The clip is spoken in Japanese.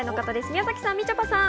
宮崎さん、みちょぱさん。